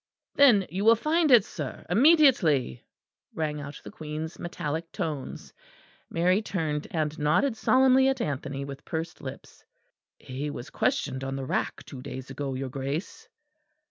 "Then you will find it, sir, immediately," rang out the Queen's metallic tones. (Mary turned and nodded solemnly at Anthony, with pursed lips.) "He was questioned on the rack two days ago, your Grace."